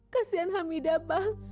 kasian hamidah bang